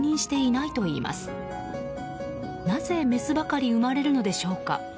なぜ、メスばかり生まれるのでしょうか。